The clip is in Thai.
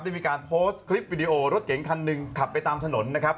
ได้มีการโพสต์คลิปวิดีโอรถเก๋งคันหนึ่งขับไปตามถนนนะครับ